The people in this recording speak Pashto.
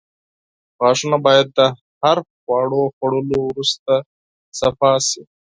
غاښونه باید د هر خواړو خوړلو وروسته پاک شي.